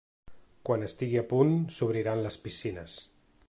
Quan estigui a punt, s’obriran les piscines.